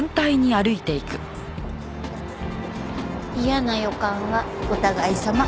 嫌な予感はお互いさま。